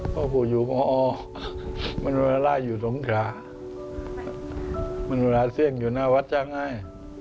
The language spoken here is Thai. พ่อผู้อยู่มอมนุฬลาอยู่สงขามนุฬลาเสี่ยงอยู่หน้าวัดจังไง